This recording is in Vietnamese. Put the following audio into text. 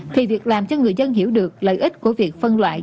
thì việc làm cho người dân hiểu được lợi ích của việc phân loại